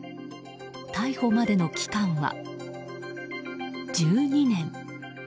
逮捕までの期間は１２年。